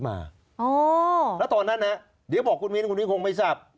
แล้วตอนนั้นนะเดี๋ยวบอกคุณมิ้นคุณมิ้นคงไม่ทราบ